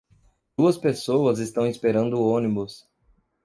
Duas pessoas estão esperando o ônibus